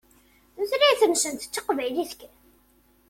Tutlayt-nsent d taqbaylit kan.